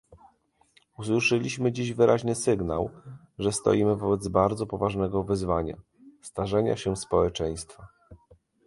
Usłyszeliśmy dziś wyraźny sygnał, że stoimy wobec bardzo poważnego wyzwania - starzenia się społeczeństwa